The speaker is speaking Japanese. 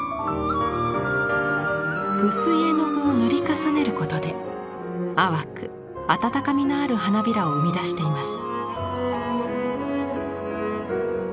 薄い絵の具を塗り重ねることで淡く温かみのある花びらを生み出しています。